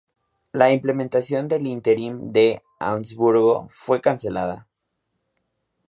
La implementación del Interim de Augsburgo fue cancelada.